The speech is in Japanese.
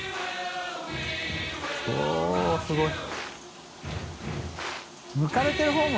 おっすごい。